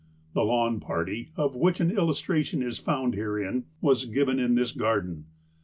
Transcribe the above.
The lawn party, of which an Illustration is found herein, was given in this garden.